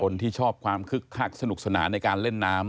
ชอบความคึกคักสนุกสนานในการเล่นน้ำ